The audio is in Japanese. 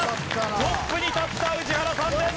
トップに立った宇治原さんです。